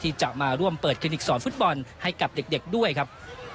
ที่จะมาร่วมเปิดคลินิกสอนฟุตบอลให้กับเด็กด้วยครับ